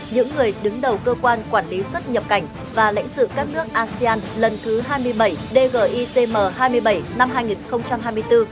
những người đứng đầu cơ quan quản lý xuất nhập cảnh và lãnh sự các nước asean lần thứ hai mươi bảy dgicm hai mươi bảy năm hai nghìn hai mươi bốn